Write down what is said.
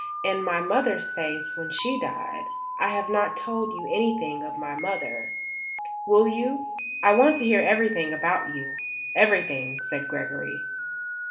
And my mother's face when she died. I have not told you anything of my mother." "Will you? I want to hear everything about you; everything," said Gregory.